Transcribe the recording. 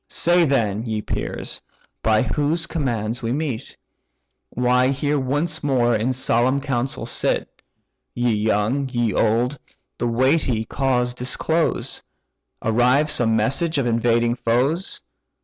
Say then, ye peers! by whose commands we meet? Why here once more in solemn council sit? Ye young, ye old, the weighty cause disclose: Arrives some message of invading foes?